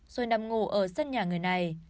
rồi nằm ngủ ở sân nhà người này